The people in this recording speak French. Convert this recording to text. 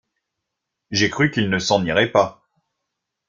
J’ai cru qu’il ne s’en irait pas.